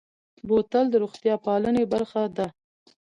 بوتل د روغتیا پالنې برخه ده.